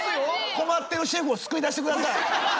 困ってるシェフを救い出してください。